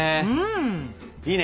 いいね！